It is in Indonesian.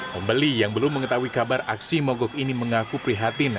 pembeli yang belum mengetahui kabar aksi mogok ini mengaku prihatin